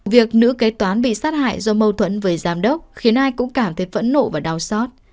việc nữ kế toán bị sát hại do mâu thuẫn với giám đốc khiến ai cũng cảm thấy phẫn nộ và đau xót